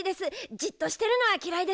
じっとしてるのはきらいです。